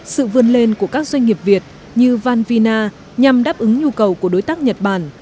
sự vươn lên của các doanh nghiệp việt như vanvina nhằm đáp ứng nhu cầu của đối tác nhật bản